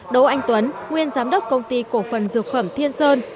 đỗ anh tuấn nguyên giám đốc công ty cổ phần dược phẩm thiên sơn